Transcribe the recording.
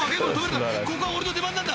［ここは俺の出番なんだ！